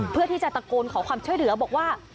เพื่อที่จะตะโกนขอความช่วยเหลือบอกว่า